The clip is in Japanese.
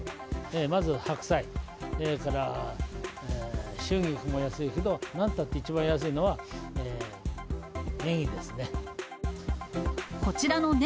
まず白菜、それから春菊も安いけど、なんたって一番安いのは、ネギですね。